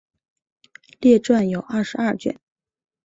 列传有二十二卷。